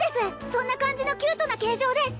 そんな感じのキュートな形状です